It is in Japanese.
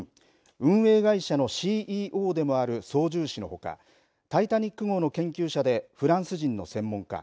運営会社のＣＥＯでもある操縦士のほかタイタニック号の研究者でフランス人の専門家